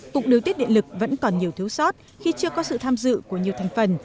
cục điều tiết điện lực vẫn còn nhiều thiếu sót khi chưa có sự tham dự của nhiều thành phần